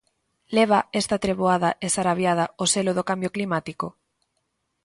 Leva esta treboada e sarabiada o selo do cambio climático?